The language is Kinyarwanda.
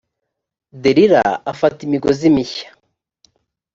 delila afata imigozi mishya